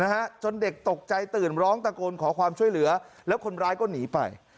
จนเด็กตกใจตื่นร้องตะโกนขอความช่วยเหลือแล้วคนร้ายก็หนีไป